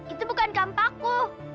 itu bukan kampaku